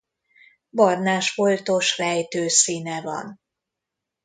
Barnás foltos rejtő színe van.